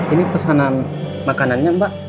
ini pesanan makanannya mbak